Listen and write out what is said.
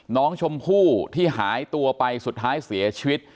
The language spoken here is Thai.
น้องชมพู่ที่หายตัวไปสุดท้ายเสียชีวิต